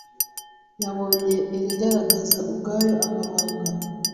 yabonye irigaragaza ubwayo amabanga